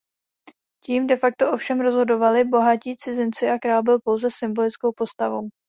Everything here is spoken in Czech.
Tím de facto o všem rozhodovali bohatí cizinci a král byl pouze symbolickou postavou.